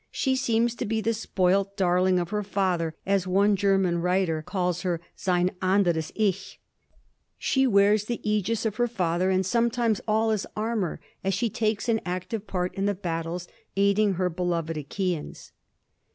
She seems to be the spoilt darling of her father, or as one German writer calls her, sein anderes Ich. She wears the ægis of her father and sometimes all his armor, as she takes an active part in the battles, aiding her beloved Achæans.